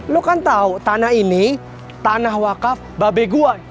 lu kan tau tanah ini tanah wakaf babe gue